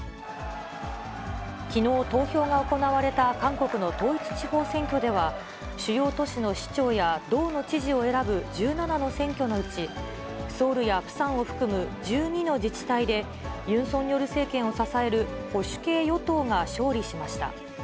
きのう投票が行われた韓国の統一地方選挙では、主要都市の市長や道の知事を選ぶ１７の選挙のうち、ソウルやプサンを含む１２の自治体で、ユン・ソンニョル政権を支える保守系与党が勝利しました。